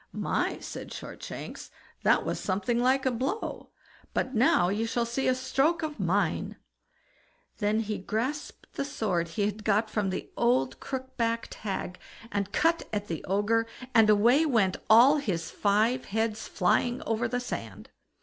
"My!" said Shortshanks, "that was something like a blow, but now you shall see a stroke of mine." Then he grasped the sword he had got from the old crook backed hag, and cut at the Ogre; and away went all his five heads flying over the sand.